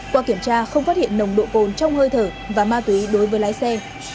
qua kiểm tra không phát hiện nồng độ cồn trong hơi thở và ma túy đối với lái xe